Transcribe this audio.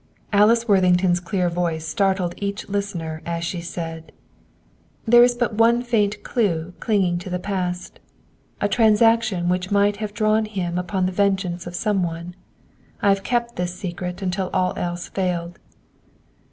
Alice Worthington's clear voice startled each listener as she said, "There is but one faint clue clinging to the past. A transaction which might have drawn upon him the vengeance of some one. I have kept this secret until all else failed.